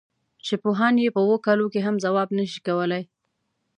چې پوهان یې په اوو کالو کې هم ځواب نه شي کولای.